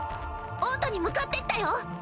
王都に向かってったよ！